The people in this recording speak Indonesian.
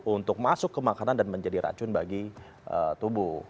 untuk masuk ke makanan dan menjadi racun bagi tubuh